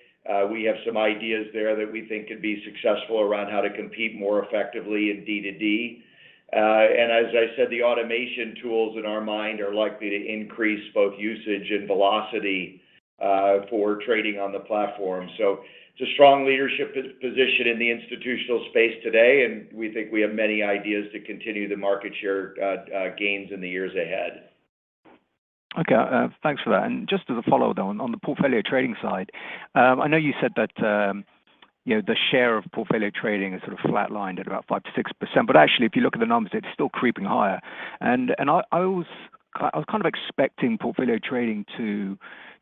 We have some ideas there that we think could be successful around how to compete more effectively in D2D. As I said, the automation tools in our mind are likely to increase both usage and velocity for trading on the platform. It's a strong leadership position in the institutional space today, and we think we have many ideas to continue the market share gains in the years ahead. Okay. Thanks for that. Just as a follow-up, though, on the portfolio trading side, I know you said that, you know, the share of portfolio trading is sort of flatlined at about 5%-6%. Actually, if you look at the numbers, it's still creeping higher. I was kind of expecting portfolio trading to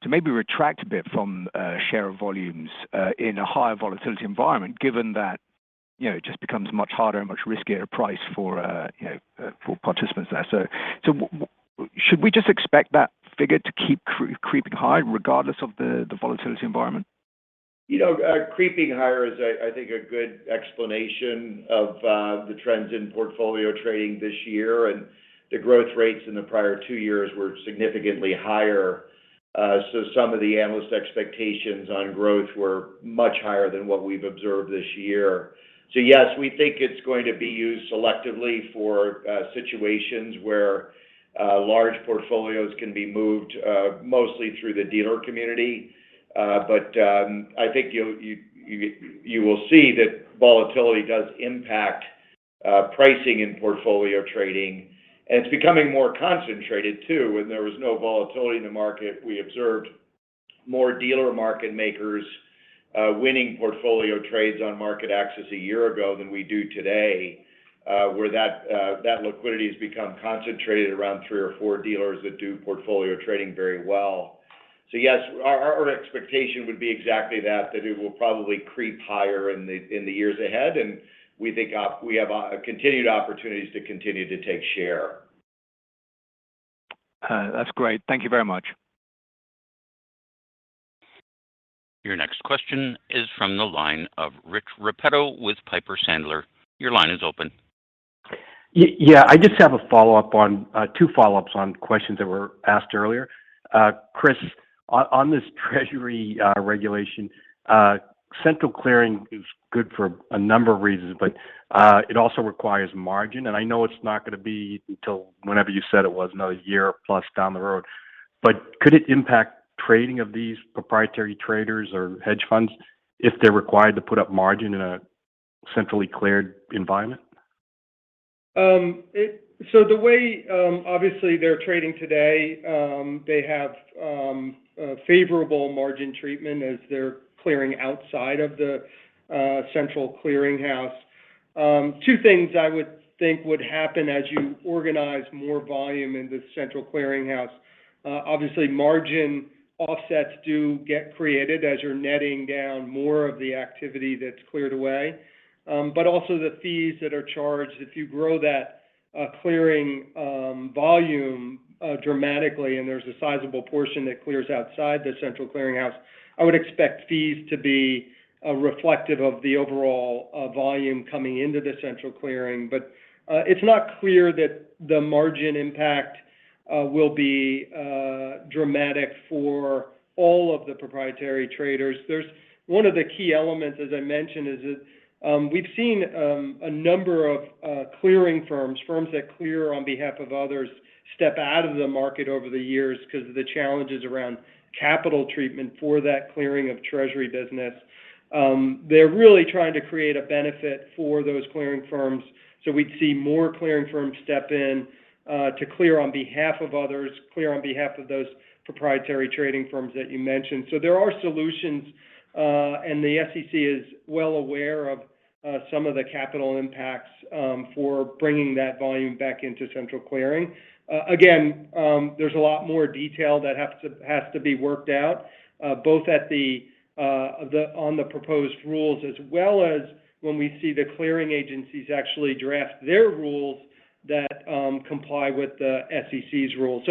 maybe retract a bit from share of volumes in a higher volatility environment, given that, you know, it just becomes much harder and much riskier price for, you know, for participants there. Should we just expect that figure to keep creeping high regardless of the volatility environment? You know, creeping higher is, I think, a good explanation of the trends in portfolio trading this year, and the growth rates in the prior two years were significantly higher. Some of the analyst expectations on growth were much higher than what we've observed this year. Yes, we think it's going to be used selectively for situations where large portfolios can be moved mostly through the dealer community. I think you will see that volatility does impact pricing in portfolio trading, and it's becoming more concentrated too. When there was no volatility in the market, we observed more dealer market makers winning portfolio trades on MarketAxess one year ago than we do today, where that liquidity has become concentrated around thre or four dealers that do portfolio trading very well. Yes, our expectation would be exactly that it will probably creep higher in the years ahead, and we think we have continued opportunities to continue to take share. That's great. Thank you very much. Your next question is from the line of Rich Repetto with Piper Sandler. Your line is open. Yeah. I just have two follow-ups on questions that were asked earlier. Chris, on this Treasury regulation, central clearing is good for a number of reasons, but it also requires margin, and I know it's not gonna be until whenever you said it was, another year plus down the road. Could it impact trading of these proprietary traders or hedge funds if they're required to put up margin in a centrally cleared environment? The way, obviously they're trading today, they have favorable margin treatment as they're clearing outside of the central clearinghouse. Two things I would think would happen as you organize more volume in the central clearinghouse. Obviously margin offsets do get created as you're netting down more of the activity that's cleared away. But also the fees that are charged, if you grow that clearing volume dramatically, and there's a sizable portion that clears outside the central clearinghouse, I would expect fees to be reflective of the overall volume coming into the central clearing. It's not clear that the margin impact will be dramatic for all of the proprietary traders. One of the key elements, as I mentioned, is that we've seen a number of clearing firms that clear on behalf of others, step out of the market over the years 'cause of the challenges around capital treatment for that clearing of Treasury business. They're really trying to create a benefit for those clearing firms, so we'd see more clearing firms step in to clear on behalf of others, clear on behalf of those proprietary trading firms that you mentioned. There are solutions, and the SEC is well aware of some of the capital impacts for bringing that volume back into central clearing. Again, there's a lot more detail that has to be worked out, both on the proposed rules, as well as when we see the clearing agencies actually draft their rules that comply with the SEC's rules.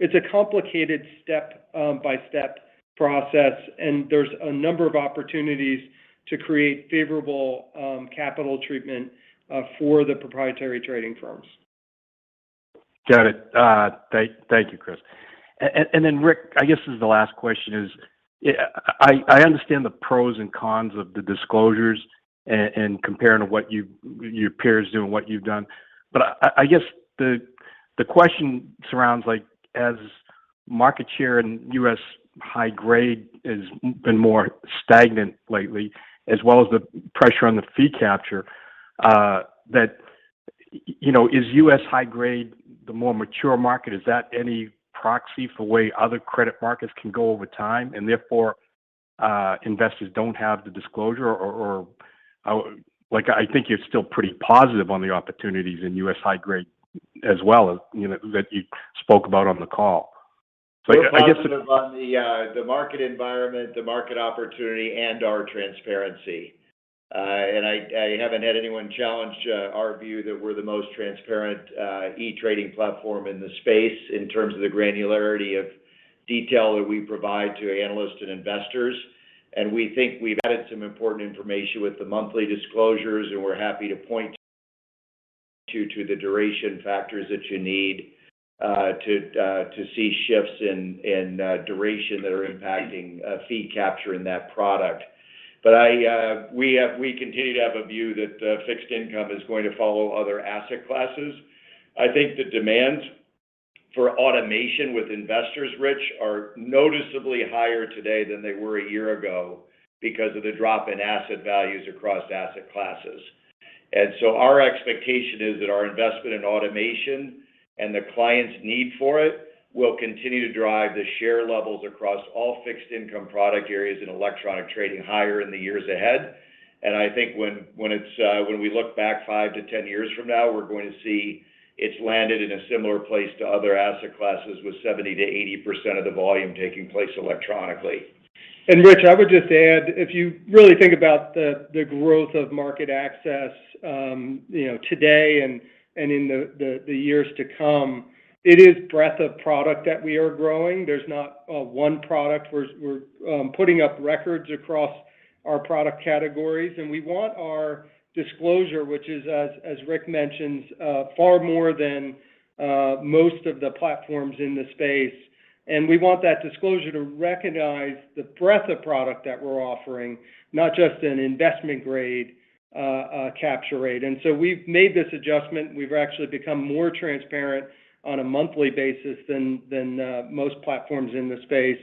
It's a complicated step by step process, and there's a number of opportunities to create favorable capital treatment for the proprietary trading firms. Got it. Thank you, Chris. Then Rick, I guess this is the last question is, I understand the pros and cons of the disclosures and comparing to what your peers do and what you've done. But I guess the question surrounds like as market share in U.S. high grade has been more stagnant lately, as well as the pressure on the fee capture, that you know, is U.S. high grade the more mature market? Is that any proxy for the way other credit markets can go over time, and therefore, investors don't have the disclosure? Or, like, I think you're still pretty positive on the opportunities in U.S. high grade as well, you know, that you spoke about on the call. I guess. Well, positive on the market environment, the market opportunity, and our transparency. I haven't had anyone challenge our view that we're the most transparent e-trading platform in the space in terms of the granularity of detail that we provide to analysts and investors. We think we've added some important information with the monthly disclosures, and we're happy to point you to the duration factors that you need to see shifts in duration that are impacting fee capture in that product. We continue to have a view that fixed income is going to follow other asset classes. I think the demand for automation with investors, Rich, are noticeably higher today than they were a year ago because of the drop in asset values across asset classes. Our expectation is that our investment in automation and the clients' need for it will continue to drive the share levels across all fixed income product areas in electronic trading higher in the years ahead. I think when we look back five to ten years from now, we're going to see it's landed in a similar place to other asset classes with 70%-80% of the volume taking place electronically. Rich, I would just add, if you really think about the growth of MarketAxess today and in the years to come, it is breadth of product that we are growing. There's not a one product. We're putting up records across our product categories, and we want our disclosure, which is, as Rick mentioned, far more than most of the platforms in the space. We want that disclosure to recognize the breadth of product that we're offering, not just an investment grade capture rate. We've made this adjustment. We've actually become more transparent on a monthly basis than most platforms in this space.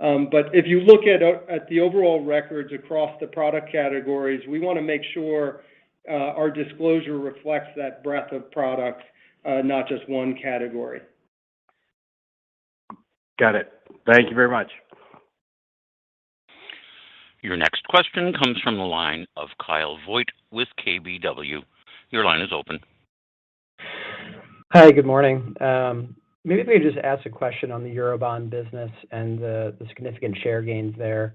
If you look at the overall records across the product categories, we wanna make sure our disclosure reflects that breadth of products, not just one category. Got it. Thank you very much. Your next question comes from the line of Kyle Voigt with KBW. Your line is open. Hi. Good morning. Maybe if I could just ask a question on the Eurobond business and the significant share gains there.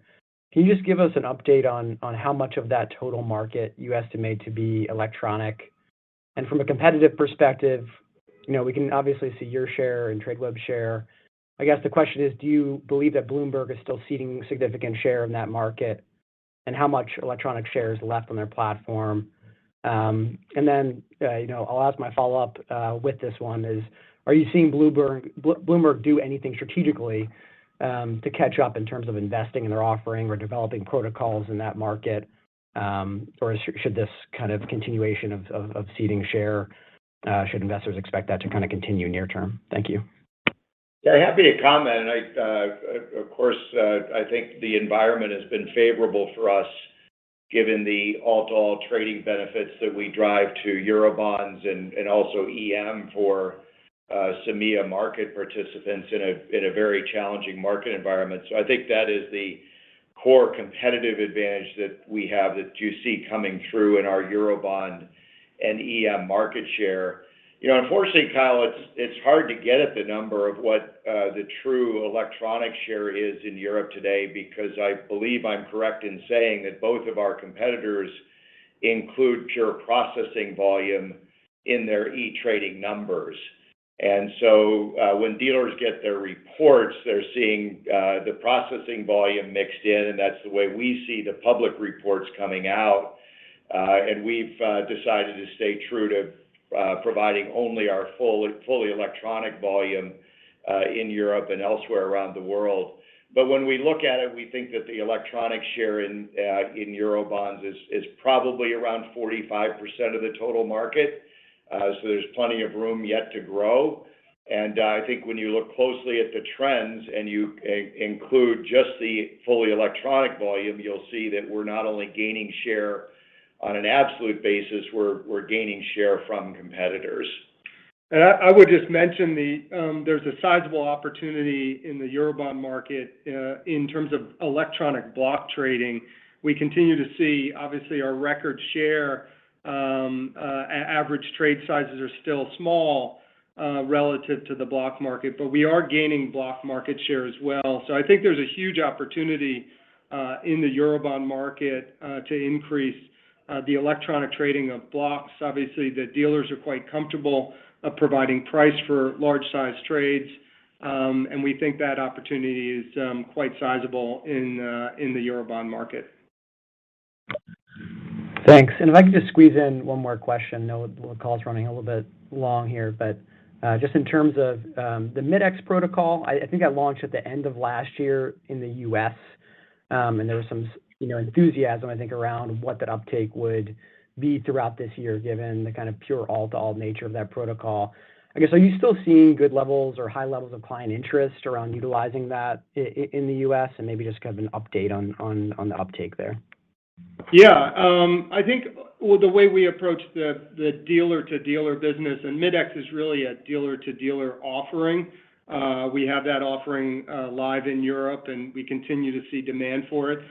Can you just give us an update on how much of that total market you estimate to be electronic? From a competitive perspective, you know, we can obviously see your share and Tradeweb share. I guess the question is, do you believe that Bloomberg is still ceding significant share in that market, and how much electronic share is left on their platform? You know, I'll ask my follow-up with this one. Are you seeing Bloomberg do anything strategically to catch up in terms of investing in their offering or developing protocols in that market? Should this kind of continuation of ceding share, should investors expect that to kinda continue near term? Thank you. Yeah, happy to comment. Of course, I think the environment has been favorable for us given the all-to-all trading benefits that we drive to Eurobonds and also EM for EMEA market participants in a very challenging market environment. I think that is the core competitive advantage that we have that you see coming through in our Eurobond and EM market share. You know, unfortunately, Kyle, it's hard to get at the number of what the true electronic share is in Europe today because I believe I'm correct in saying that both of our competitors include pure processing volume in their e-trading numbers. When dealers get their reports, they're seeing the processing volume mixed in, and that's the way we see the public reports coming out. We've decided to stay true to providing only our fully electronic volume in Europe and elsewhere around the world. When we look at it, we think that the electronic share in Eurobonds is probably around 45% of the total market, so there's plenty of room yet to grow. I think when you look closely at the trends and you include just the fully electronic volume, you'll see that we're not only gaining share on an absolute basis, we're gaining share from competitors. I would just mention there's a sizable opportunity in the Eurobond market in terms of electronic block trading. We continue to see our record share. Average trade sizes are still small relative to the block market, but we are gaining block market share as well. I think there's a huge opportunity in the Eurobond market to increase the electronic trading of blocks. Obviously, the dealers are quite comfortable providing pricing for large-sized trades, and we think that opportunity is quite sizable in the Eurobond market. Thanks. If I could just squeeze in one more question. Now the call's running a little bit long here. Just in terms of the Mid-X protocol, I think that launched at the end of last year in the U.S., and there was some, you know, enthusiasm, I think, around what that uptake would be throughout this year given the kind of pure all-to-all nature of that protocol. I guess, are you still seeing good levels or high levels of client interest around utilizing that in the U.S., and maybe just kind of an update on the uptake there? Yeah. I think the way we approach the dealer-to-dealer business, and Mid-X is really a dealer-to-dealer offering. We have that offering live in Europe, and we continue to see demand for it.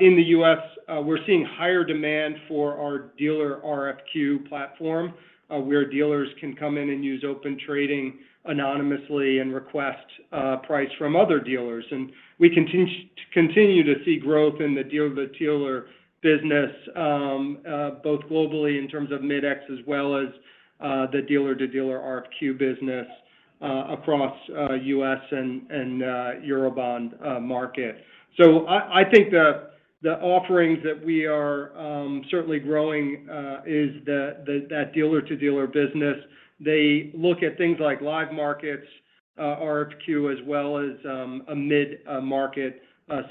In the U.S., we're seeing higher demand for our dealer RFQ platform, where dealers can come in and use Open Trading anonymously and request price from other dealers. We continue to see growth in the dealer-to-dealer business, both globally in terms of Mid-X as well as the dealer-to-dealer RFQ business, across U.S. and Eurobond market. I think the offerings that we are certainly growing is that dealer-to-dealer business. They look at things like live markets, RFQ, as well as a mid-market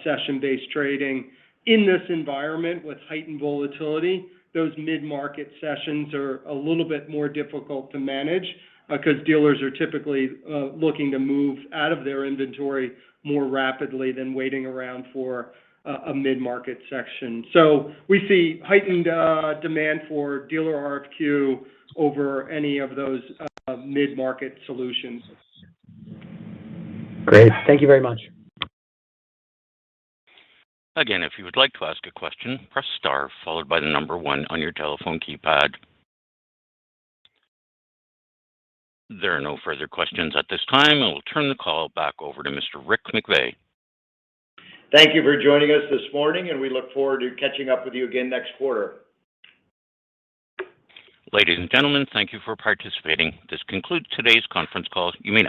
session-based trading. In this environment with heightened volatility, those mid-market sessions are a little bit more difficult to manage, 'cause dealers are typically looking to move out of their inventory more rapidly than waiting around for a mid-market section. We see heightened demand for dealer RFQ over any of those mid-market solutions. Great. Thank you very much. Again, if you would like to ask a question, press star followed by the number one on your telephone keypad. There are no further questions at this time. I will turn the call back over to Mr. Rick McVey. Thank you for joining us this morning, and we look forward to catching up with you again next quarter. Ladies and gentlemen, thank you for participating. This concludes today's conference call. You may now.